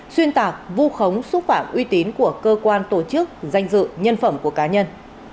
xuyên tạc vu khống xúc phạm uy tín của cơ quan tổ chức danh dự nhân phẩm của cá nhân